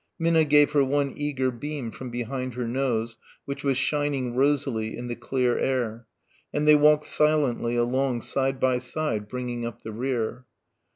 Minna gave her one eager beam from behind her nose, which was shining rosily in the clear air, and they walked silently along side by side bringing up the rear.